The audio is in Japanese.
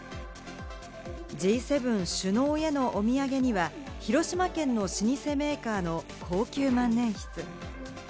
Ｇ７首脳へのお土産には広島県の老舗メーカーの高級万年筆。